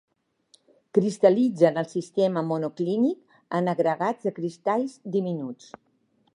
Cristal·litza en el sistema monoclínic en agregats de cristalls diminuts.